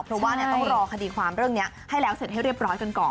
เพราะว่าต้องรอคดีความเรื่องนี้ให้แล้วเสร็จให้เรียบร้อยกันก่อน